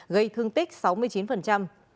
gây thương tích sáu mươi chín